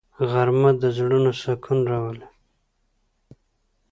غرمه د زړونو سکون راولي